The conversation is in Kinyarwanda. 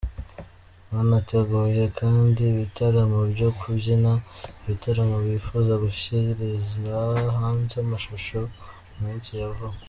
Banateguye kandi ibitaramo byo kubyina, ibitaramo bifuza gushyirira hanze amashusho mu minsi ya vuba.